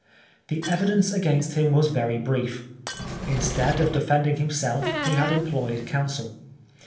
The evidence against him was very brief. Instead of defending him self he had employed counsel.